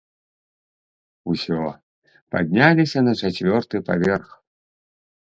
Усё, падняліся на чацвёрты паверх.